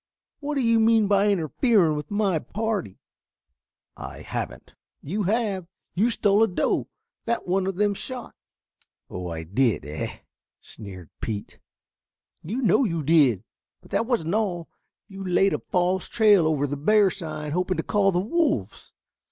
What do you mean by interfering with my party?" "I haven't." "You have. You stole a doe that one of them shot." "Oh, I did, eh?" sneered Pete. "You know you did, but that wasn't all. You laid a false trail over the bear sign hoping to call the wolves.